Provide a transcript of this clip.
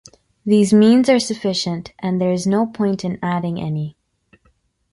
These means are sufficient and there is no point in adding any.